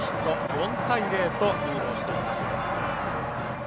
４対０とリードをしています。